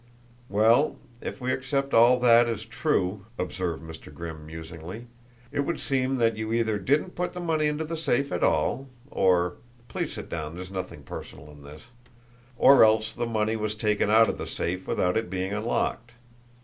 "Well, if we accept all that as true," observed Mr. Grimm musingly, "it would seem that you either didn't put the money into the safe at all, or please sit down, there's nothing personal in this or else the money was taken out of the safe without it being unlocked.